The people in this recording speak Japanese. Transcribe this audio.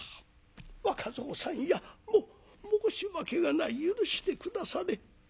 「若蔵さんやもっ申し訳がない許して下され。